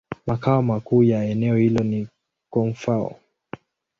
Makao makuu ya eneo hilo ni Koun-Fao.